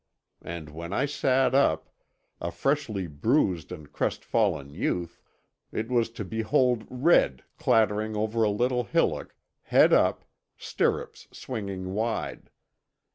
And when I sat up, a freshly bruised and crestfallen youth, it was to behold Red clattering over a little hillock, head up, stirrups swinging wide.